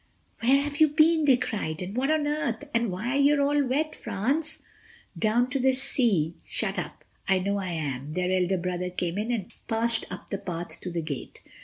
"Where have you been?" they cried and "What on earth?" and "Why, you're all wet, France." "Down to the sea—shut up, I know I am—" their elder brother came in and passed up the path to the gate.